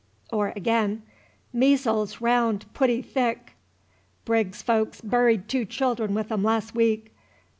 Or again, "Measles raound pooty thick. Briggs's folks buried two children with 'em lass' week.